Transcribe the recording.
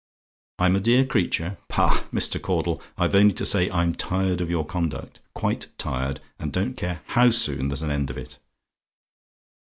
"I'M A DEAR CREATURE? "Pah! Mr. Caudle! I've only to say, I'm tired of your conduct quite tired, and don't care how soon there's an end of it.